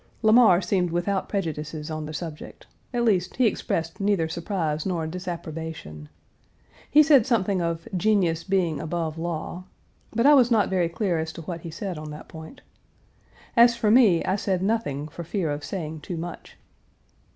Lamar seemed without prejudices on the subject; at least, he expressed neither surprise nor disapprobation. He said something of "genius being above law," but I was not very clear as to what he said on that point. As for me I said nothing for fear of saying too much.